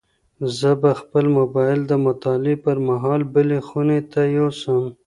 زه به خپل موبایل د مطالعې پر مهال بلې خونې ته یوسم.